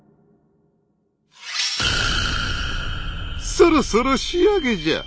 そろそろ仕上げじゃ。